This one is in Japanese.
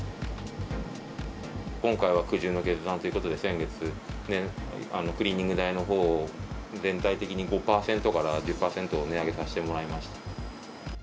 今回は苦渋の決断ということで、先月、クリーニング代のほうを、全体的に５％から１０％値上げさせてもらいました。